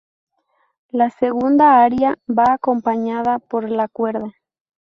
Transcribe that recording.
La segunda aria va acompañada por la cuerda.